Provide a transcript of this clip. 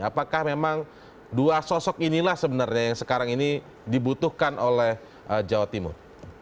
apakah memang dua sosok inilah sebenarnya yang sekarang ini dibutuhkan oleh jawa timur